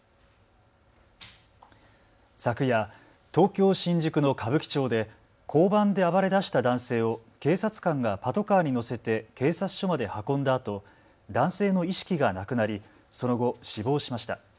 昨夜、東京新宿の歌舞伎町で交番で暴れだした男性を警察官がパトカーに乗せて警察署まで運んだあと、男性の意識がなくなりその後、死亡しました。